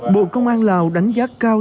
bộ công an lào đánh giá cao